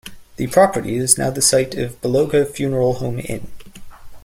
The property is now the site of Baloga Funeral Home In.